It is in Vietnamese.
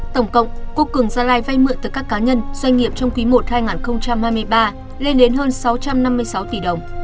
tổng cộng cô cường gia lai vay mượn từ các cá nhân doanh nghiệp trong quý i hai nghìn hai mươi ba lên đến hơn sáu trăm năm mươi sáu tỷ đồng